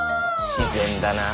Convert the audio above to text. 自然だなあ。